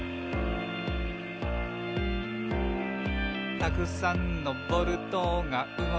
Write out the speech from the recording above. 「たくさんのボルトがうごいています」